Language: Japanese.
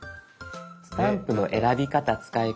スタンプの選び方使い方